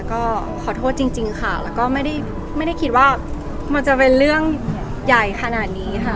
ก็ขอโทษจริงค่ะแล้วก็ไม่ได้คิดว่ามันจะเป็นเรื่องใหญ่ขนาดนี้ค่ะ